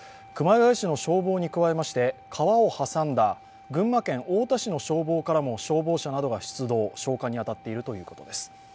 熊谷市の消防に加えまして川を挟んだ群馬県太田市の消防からも消防車などが出動、消火に当たっているということです。